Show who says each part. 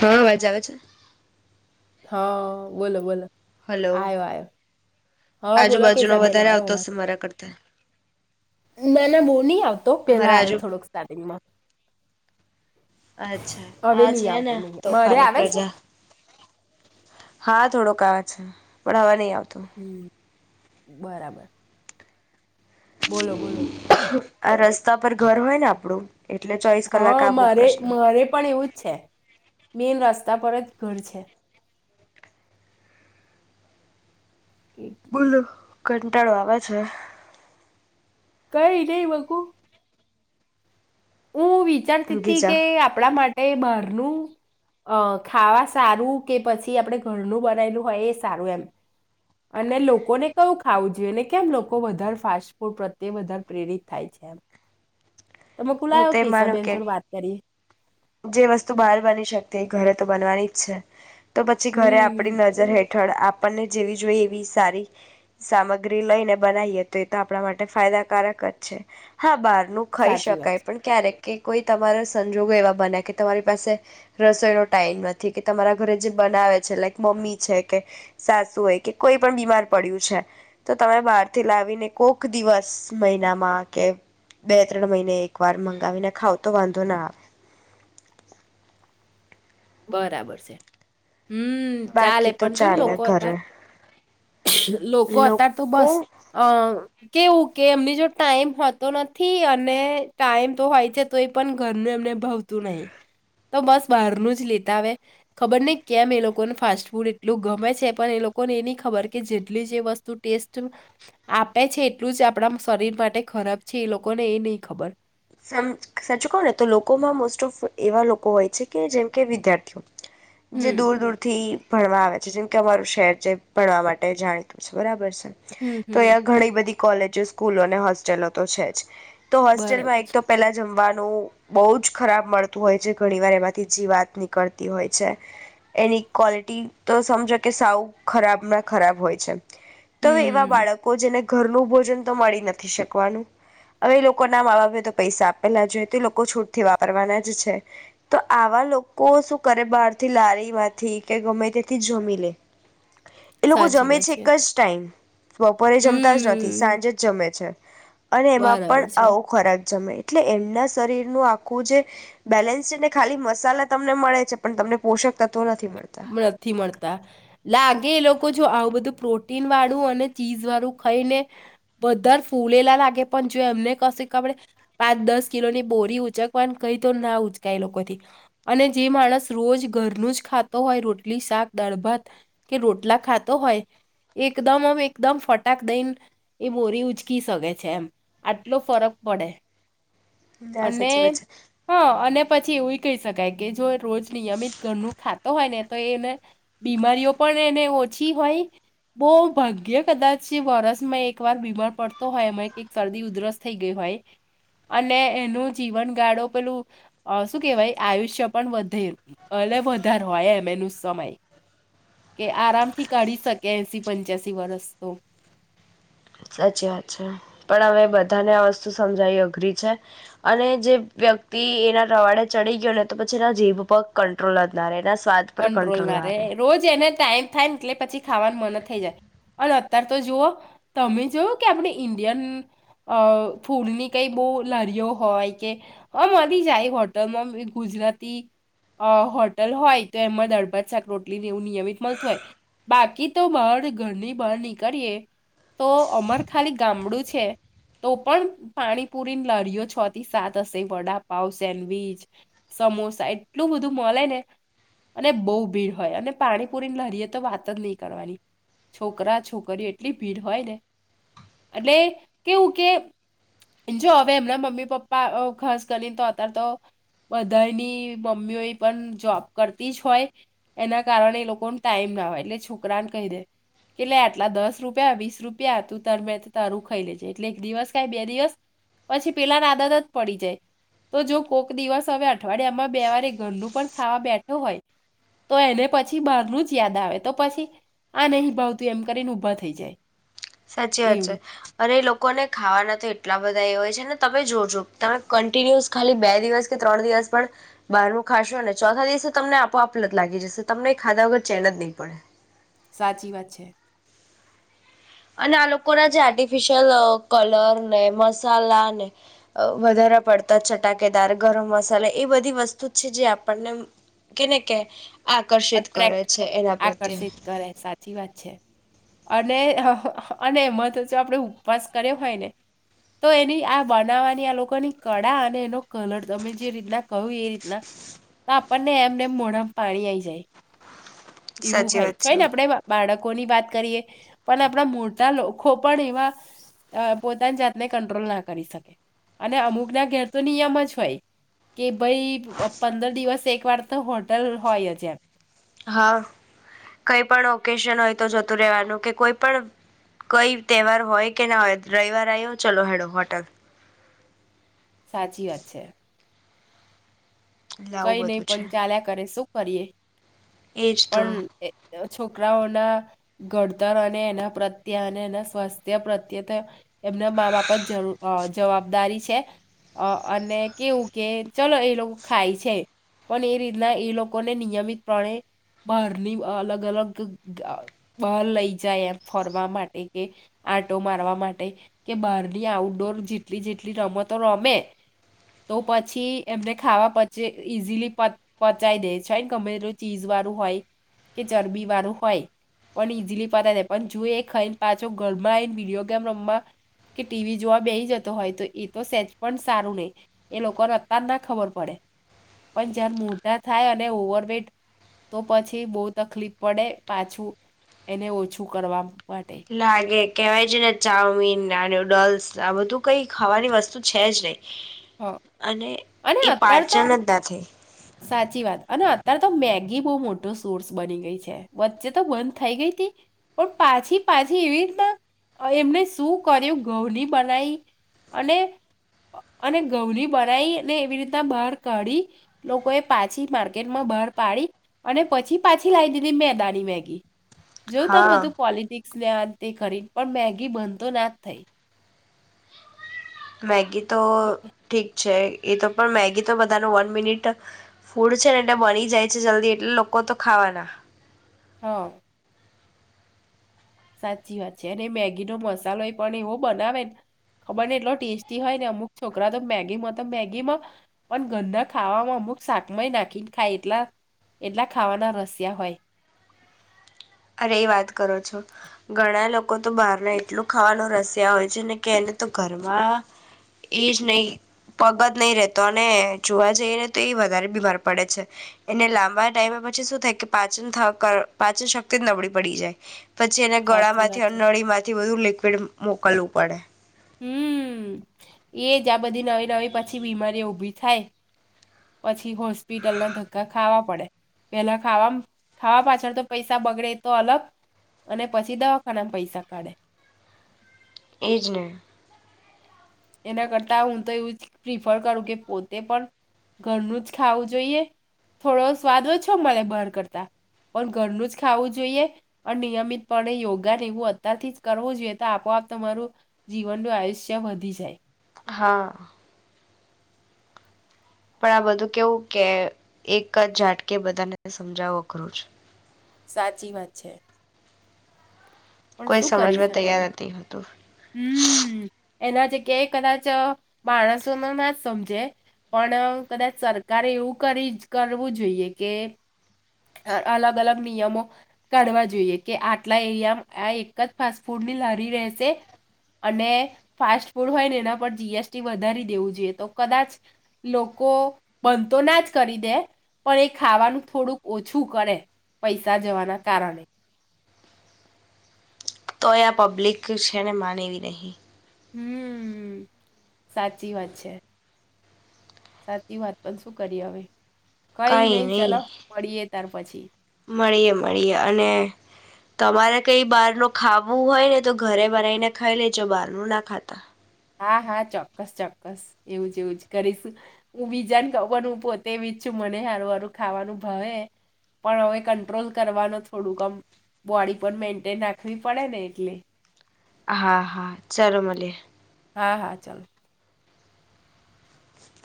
Speaker 1: હા વાજ છે.
Speaker 2: હા બોલો બોલો.
Speaker 1: હલો
Speaker 2: આયો આયો. હા બોલો
Speaker 1: આજુબાજુનો
Speaker 2: કેસાબેન
Speaker 1: વધારે
Speaker 2: આવ,
Speaker 1: આવતો હશે મારા કરતા
Speaker 2: ના ના બહ નહી આવતો પેલા
Speaker 1: મારા
Speaker 2: આવ્યો
Speaker 1: આજુ
Speaker 2: થોડોક સ્ટાર્ટિંગમાં
Speaker 1: અચ્છા
Speaker 2: હવે
Speaker 1: આ
Speaker 2: નહી
Speaker 1: છે
Speaker 2: આવતો
Speaker 1: ને
Speaker 2: નહી મારે
Speaker 1: તોફાની
Speaker 2: આવે છે.
Speaker 1: પ્રજા હા થોડોક છે, પણ હવા નહીં આવે.
Speaker 2: હમ. બરાબર. બોલો બોલો.
Speaker 1: આ રસ્તા પર ઘર હોય ને આપડું એટલે ચોવીસ કલાક
Speaker 2: હા
Speaker 1: આપો
Speaker 2: મારે
Speaker 1: પ્રશ્ન
Speaker 2: મારે પણ એવું જ છે, મેન રસ્તા પોતા પરત ઘર છે. એટલે
Speaker 1: બૂલો, કંટાળો આવે છે.
Speaker 2: કઈ નહી બકું. હું વિચારતી
Speaker 1: ઊંઘી
Speaker 2: તી
Speaker 1: જાવ
Speaker 2: કે આપણા માટે બ નું અહ ખાવા સારું કે પછી આપણે ઘરનું બનાયેલું હોય એ સારું એમ. અને લોકોને કયું ખાવું જોઈએને કેમ લોકો વધારે ફાસ્ટ ફૂડ પ્રત્યે વધારે પ્રેરિત થાય છે એમ. તમે કુલા
Speaker 1: હું તો
Speaker 2: આવો
Speaker 1: એ
Speaker 2: કે
Speaker 1: માનું
Speaker 2: હિસાબેન જોડે વાત કરી.
Speaker 1: જે વસ્તુ બહાર બની શકતી એ ઘરે તો બનવાની જ છે. તો પછી ઘરે આપડી
Speaker 2: હમ
Speaker 1: નજર હે ઠળ આપણને જેવી જોઈ એવી સારી સામગ્રી લઈને બનાવીએ તો એ તો આપણા માટે ફાયદાકારક જ છે. હા બહાર નું ખાઈ
Speaker 2: સાચી વાત
Speaker 1: શકાય
Speaker 2: છે
Speaker 1: પણ ક્યારેક. કે કોઈ તમારા સંજોગો એવા બને કે તમારી પાસે રસોઈનો ટાઈમ નથી કે તમારા ઘરે જે બનાવે છે લાઈક મમ્મી છે કે સાસુ હોય કે કોઈ પણ બીમાર પડ્યું છે, તો તમે બહાર થી લાવીને કોક દિવસ મહિનામાં કે બે ત્રણ મહિને એક વાર મંગાવીને ખાવ તો વાંધો ના આવે.
Speaker 2: બરાબર છે. હમ ચાલે
Speaker 1: બાકી તો
Speaker 2: પણ જો ને
Speaker 1: ચાલે
Speaker 2: લોકો અતાર
Speaker 1: ઘરે.
Speaker 2: લોકો અત્યારે તો બસ અહ કેવું કે એમની જો ટાઈમ હોતો નથી અને ટાઈમ તો હોય છે તો એ પણ ઘરનું એમને ભવતું નહી, તો બસ બહારનું જ નથ લેતા હવે ખબર નહી કેમ એ લોકોને ફાસ્ટ ફૂડ એટલું ગમે છે, પણ એ લોકોને એ નહી ખબર કે જેટલી જે વસ્તુ ટેસ્ટ આપે છે, એટલું જ આપણા શરીર માટે ખરાબ છે એ લોકોને એ નહી ખબર.
Speaker 1: સમ સાચું કહો ને તો લોકોમાં મોસ્ટ ઓફ એવા લોકો હોય છે કે જેમ કે વિદ્યાર્થીઓ જે
Speaker 2: હમ,
Speaker 1: દૂર-દૂરથી ભણવા આવે છે, જેમ કે અમારું શહેર જે ભણવા માટે જાણીતું છે બરાબર.
Speaker 2: હમ,
Speaker 1: [unintelligible]
Speaker 2: હમ.
Speaker 1: તોં એ ઘણી બધી કોલેજો, સ્કૂલો અને હોસ્ટેલો તો છે જ. તો હોસ્ટેલમાં
Speaker 2: બરાબર છે.
Speaker 1: એક [unintelligible] જમવાનું બહુ જ ખરાબ મળતું હોય જે ઘણી વાર એમાંથી જીવાત નીકળતી હોય છે, એની ક્વોલિટી તો સમજો કે સાવ ખરાબ માં ખરાબ હોય છે. તો એવા
Speaker 2: હમ,
Speaker 1: બાળકો જેને ઘરનું ભોજન તો મળી નથી શકવાનું, હવે લોકો ના મા બાપે તો પૈસા આપેલા જોએ તો લોકો છૂટ થી વાપરવાના જ છે, તો આવા લોકો શું કરે બહારથી લારી માંથી કે ગમે તેથી જમી લે. એ લોકો
Speaker 2: સાચી
Speaker 1: જમે
Speaker 2: વાત
Speaker 1: છે એક જ ટાઈમ. બપોરે જમતા જ નથી,
Speaker 2: હમ,
Speaker 1: સાંજે જ જમે છે. અને એમાં
Speaker 2: બરાબર
Speaker 1: પણ
Speaker 2: છે.
Speaker 1: આવો ખોરાક જમે એટલે એમના શરીર નું આખું જે બેલેન્સ છે ને ખાલી મસાલા તમને મળે છે પણ તમને પોષક તત
Speaker 2: નથી મળતા. લાગે એ લોક કો જો આવું બધું પ્રોટીન વાળું અને ચીઝ વાળું ખાઈ ને બધા ફૂલેલા લાગે પણ જો એમને કશીક આપણે પાંચ દસ કિલો ની બોરી ઉચકવાની કઈ તો ના ઉચકાય એ લોકોથી, અને જે માણસ રોજ ઘરનું જ ખા તા હોય રોટલી, શાક, દળભાત કે રોટલા ખાતો હોય એકદમ હવે એકદમ ફટાક દઈન એ બોરી ઉચકી શકે છે એમ, આટલો ફરક પડે.
Speaker 1: ના
Speaker 2: અને
Speaker 1: સાચી વાત છે
Speaker 2: હા અને પછી એવુંય કહી શકાય કે જો રોજ નિયમિત ઘરનું ખાત હોયને તો એને બીમારીઓ પણ એને ઓછી હોય બો ભાગ્ય કદાચ વરષમાં એક વાર બીમાર પડતો હોય એમાં કઈ શરદી ઉધરસ થઈ ગઈ હોય અને એનું જીવન ગાળો પેલું શું કેહેવાય આયુષ્ય પણ વધે એટ વધ ઉધર હોય એમ એનું સમય કે આરામથી કાઢી શકે એસી પંચ્યાસીવર્ષ તો
Speaker 1: સાચી વાત છે પણ હવે બધાને આ વસ્તુ સમજાવી અઘરી છે અને જે વ્યક્તિ એના રવાડે ચડી ગયો ને તો પછી એના જીભ પગ કંટ્રોલ જ ના રહે એના સ્વાદ પર
Speaker 2: કંટ્રોલ ના રે
Speaker 1: રહે
Speaker 2: રોજ એને ટાઈમ થાય ને એટલે પછી ખાવાનું મન થઈ જાય અને અત્યાર તો જુઓ તમે જોવ કે આપણે ઈન્ડિયન ફૂડની કઈ બહુ લરીઓ હોય કે મળરી જાય હોટલમાં ગુજરાતી હોટલ હોય તો એમાં દળભાત શાક રોટલીને એવું નિયમિત મળતું હોય બાકી તો બહાર ઘરની બહાર નીકળીએ તો અમાર ખાલી ગામડું છે છે તો પણ પાણીપુરીની લરીઓ છ થી સાત હશે વડાપાવ સેન્ડવીચ સમોસા એટલું બધું મળે ને અને બહ ભીડ હોય અને પાણીપુરી લરીએ તો વાત જ નહી કરવાની છોકરા છોકરીઓ એટલી ભીડ હોય ને એટલે કેવું કે જો હવે એમના મમ્મી પપ્પા ખાસ કરીને તો અત્યારે તો બધાની મમ્મીઓ પણ જોબ કરતી જ હોય એના કારણે એ લોકો ને ટાઈમ ના હોય એટલે છોકરાને કહી દે કે લે આટલા દસ રૂપિયા વીસ રૂપિયા તું તરમે તારું ખાઈ લેજે એટલે એક દિવસ કે બે દિવસ પછી પેલાને આદત જ પડી જાય તો જો કોક દિવસ હવે અઠવાડિયામાં બે વારે ઘરનું પણ ખાવા બે હોય તો એને પછી બહારનું જ યાદ આવે તો પછી આ નહી ભાવતું એમ કરીને ઊભા થઈ જાય
Speaker 1: સાચી વાત છે
Speaker 2: એવું.
Speaker 1: અરે લોકો લોકોને ખાવાના એટલા બધા એ હોય છે અનેને તમે જોજો તમે કન્ટિન્યુઅસ ખાલી બે દિવસ કે ત્રણ દિવસ પણ બહાર ન ખાશો અનેને ચોથા દિવસે તમને આપોઆપ જ લત લાગી જશે તમને ખાધા વગર ચેન જ નહીં પડે
Speaker 2: સાચી વાત છે.
Speaker 1: અને આ લોકો ના જે આર્ટિફિશિયલ અ કલર ને, મસાલા ને, વધારે પડતા ચટાકેદાર ગરમ મસાલા એ બધી વસ્તુ છે જે આપણને કેને કે આકર્ષિત કરે
Speaker 2: અટ્રેક્ટ,
Speaker 1: છે એના પ્રત્યે
Speaker 2: આકર્ષિત કરે સાચી વાત છે. અને અને એમાં તો જો આપણે ઉપવાસ કર્યો હોય ને તો એની આ બનાવવાની આ લોકોની કળા અને એનો કલર તમે જે રીતના કહ્યું એ રીતના તો આપણને એમને અમે મોડામાં પાણી આવીઈ જાય. એવું
Speaker 1: સાચી
Speaker 2: હોય
Speaker 1: વાત
Speaker 2: [unintelligible]
Speaker 1: છે
Speaker 2: આપડે બાળક કોની લોકોની વાત કરીએ પણ આપણા મોટા લોકો પણ એવા. અ પોતાની જાતને કંટ્રોલ ના કરી શકે. અને અમુક ના ઘેરતો નિયમ જ હોય કે ભાઈ પંદર દિવસ એક વાર તો હોટલ હોય જ એમ.
Speaker 1: હા કઈ પણ ઓકેશન હોય તો જતું રેવાનું કે કોઈ પણ કઈ તહેવાર હોય કે ના હોય રવિવાર આયો ચલો હેડો હોટલ.
Speaker 2: સાચી વાત છે.
Speaker 1: એટલે આવું
Speaker 2: કઈ નહી
Speaker 1: બધું છે
Speaker 2: પણ ચાલ્યા કરે શું ફરીએ.
Speaker 1: એજ તો.
Speaker 2: છોકરાઓના ઘડતર અને એના પ્રત્યે અને એના સ્વાસ્થ્ય પ્રત્યે તો એમના મા બાપા જ જ જવાબદારી છે અ અને કેવું કે ચલો એ લોક ખાય છે પણ એ રીતના એ લોકોને નિયમિત પ્ણે બહારની અલગ અલગ અ બાર લઈ જાય એમ ફરવા માટે કે આંટો મારવા માટે કે બહારની આઉટડોર જેટલી જેટલી રમતો રમે તો પછી એમને ખાવા પચે ઈઝીલી પ પચાય દે છે ને ગમે તે ચીજ વાળું હોય કે ચરબી વાળું હોય પણ ઈઝીલી પચાઈ દે પણ જો એ ખાઈને પાછો ઘરમાં આવીને વિડીયો ગેમ રમવા કે ટીવી જોવા બેહી જતો હોય તો એ તો સેચ પણ સારું નહી એ લોકોને અતાર ના ખબર પડે. પણ જેમ મોટા થાય અને ઓવર વેટ તો પછી બહુ તકલીફ પડે પાછું એને ઓછું કરવા. માટે
Speaker 1: લાગે. કહેવાય છે ને ચાઉમીન ના નૂડલ્સ આ બધું કઈ ખાવાની વસ્તુ છે જ નહીં.
Speaker 2: હ અને અતાર
Speaker 1: પાચન
Speaker 2: તો
Speaker 1: જ ના થઈ
Speaker 2: સાચી વાત અને ત્યારે તો મેગી બહુ મોટો સોર્સ બની ગઈ છે. વચ્ચે તો બંધ થઈ ગઈ હતી પણ પાછી પાછી એવી રીતના એમણે શું કર્યું ઘઉની બનાવી અને અને ઘઉંની બનાઈ એ ને એવી રીતના બહાર કાઢી લોકોએ પાછી માર્કેટમાં બહાર પાડી અને પછી પાછી લાવી દીધી મેદાની મેગી. જો તમે
Speaker 1: હા
Speaker 2: બધું પોલિટિક [inaudible] ખરી પણ મેગી બંધ તો ના જ થઈ.
Speaker 1: મેગી. તો ઠીક. છે એ તો પણ મેગી તો બધાનું વન મિનિટ ફૂડ છે ને એટલે મળી જાય છે જલ્દી એટલે લોકો તો ખાવાના.
Speaker 2: હા. સાચી વાત છે અને મેગીનો મસાલો એ પણ એવો બનાવેને ખબર ને એટલો ટેસ્ટી હોય ને અમુક છોકરા તો મેગીમાં તો મેગી માં પણ ગંદા ખાવામાં અમુક શાકમાંય નાખીને ખાય એટલા એટલા ખાવાના રસિયા હોય.
Speaker 1: અરે એ વાત કરો છો ઘણા લોકો તો બહારને એટલું ખાવાનું રસિયા હોય છે ને કે એને તો ઘરમાં એ જ નહી પગ જ નહીં રેતો અને જોવા જઈ ને તો એ વધારે બીમાર પડે છે એને લાંબા ટાઈમે પછી શું થાય કે પાચન થાકર પાચનક ત નબળી પડી જાય. પછી એને ગળા
Speaker 2: સાચી વાત
Speaker 1: માંથી
Speaker 2: છે
Speaker 1: નળી માંથી બધું લી ફર મોકલવું પડે.
Speaker 2: હમ્મ, એ જ આ બધી નવી નવી પછી બીમારી ઊભી થાય. પછી હોસ્પિટલ ના ધક્કા ખાવા પડે પેલા ખાવા ખાવા પાછળ તો પૈસા બગડે તો અલગ અને પછી દવાખાનામાં પૈસા કાઢે.
Speaker 1: એ જને.
Speaker 2: એના કરતા હું તો એવું જ પ્રિફર કરું કે પોતે પણ ઘરનું જ ખાવું જોઈએ થોડો સ્વાદ ઓછો મળે બહાર કરતા પણ ઘરનું જ ખાવું જોઈએ અને નિયમિતપણે યોગાને એવું અત્યારથી જ કરવું જોઈએ તો આપોઆપ તમારું જીવનનું આયુષ્ય વધી જ જાય.
Speaker 1: હા. પણ આ બધું કેવું કે એક જ ઝાટકે બધાને સમજાવો ખરું છ.
Speaker 2: સાચી વાત છે. પણ
Speaker 1: કોઈ
Speaker 2: શું કરી
Speaker 1: સમજવા
Speaker 2: શકાય
Speaker 1: તૈયાર
Speaker 2: હવે
Speaker 1: નથી થતું.
Speaker 2: હમ એના થી ક્યાંયે કદાચ માણસો ન ના જ સમજે પણ કદાચ સરકારે એવું કરી કરવું જોઈએ કે અલગ અલગ નિયમો કાઢવા જોઈએ કે આટલા એરિયામાં આ એક જ ફાસ્ટ ફૂડની લરી રહેશે અને ફાસ્ટ ફૂડ હોય ને એના પર જી એસ ટી વધારી દેવું જોઈએ તો કદાચ લોકો બંધ તો ના જ કરી દે પણ એ ખાવાનું થોડુંક ઓછું કરે પૈસા જવાના કારણે.
Speaker 1: તો એ આ પબ્લિક છે ને માને એવી નહી.
Speaker 2: હમ્મ સાચી વાત છે. સાચી વાત પણ શું કરીયે હવે.
Speaker 1: કઈ નહી
Speaker 2: ચલો મળીએ ત્યાર પછી
Speaker 1: મળીએે મળીએ અને તમારે કઈ બહાર ન ખાવું હોય ને તો ઘરે બનાવીને ખાઈ લેજો બહાર નું ના ખાતા.
Speaker 2: હા હા ચોક્કસ ચોક્કસ એવું જ એવું જ કરીશ હું બીજાને કઉ પણ હું પોતે બી છું મને હારું હારું ખાવાનું ભાવ પણ હવે કંટ્રોલ કરવાનું થોડુંકમ આમ બોડી પણ મેન્ટેન રાખવી પડે ને એટલે.
Speaker 1: હા હા ચાલો મળ્યે.
Speaker 2: હા હા ચાલો.